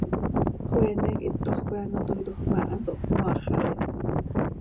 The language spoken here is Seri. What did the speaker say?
Joeene quih hitoj coi ano toiitoj ma, hanso hpmoaaxalim.